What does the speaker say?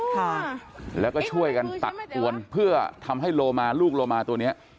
ค่ะแล้วก็ช่วยกันตักอวนเพื่อทำให้โลมาลูกโลมาตัวเนี้ย